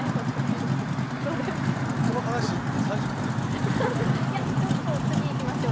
この話、３０分できますよ。